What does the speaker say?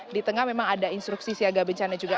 di tengah memang ada instruksi siaga bencana juga